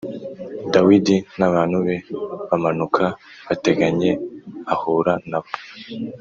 Dawidi n’abantu be bamanuka bateganye, ahura na bo.